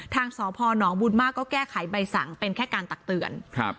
ทางสพนบุญมากก็แก้ไขใบสั่งเป็นแค่การตักเตือนครับ